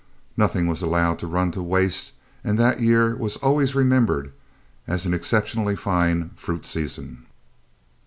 Nothing was allowed to run to waste, and that year was always remembered as an exceptionally fine fruit season.